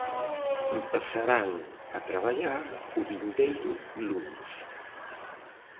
Empezarán a traballar o vindeiro luns.